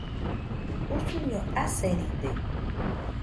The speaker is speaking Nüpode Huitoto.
usuño aseride